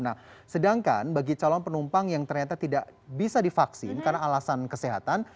nah sedangkan bagi calon penumpang yang ternyata tidak bisa divaksin karena alasan kesehatan